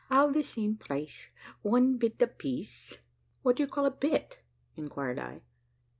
"All the same price, one bit a piece." "What do you call a bit?" inquired I.